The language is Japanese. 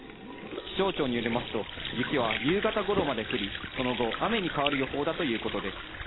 気象庁によりますと、雪は夕方頃まで降り、その後は雨に変わる予報だということです。